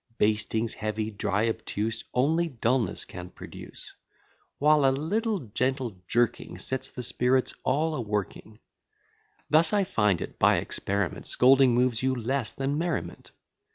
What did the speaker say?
Bastings heavy, dry, obtuse, Only dulness can produce; While a little gentle jerking Sets the spirits all a working. Thus, I find it by experiment, Scolding moves you less than merriment.